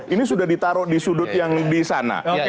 ini sudah ditaruh di sudut yang di sana